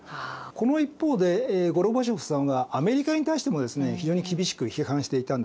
この一方でゴルバチョフさんはアメリカに対してもですね非常に厳しく批判していたんですね。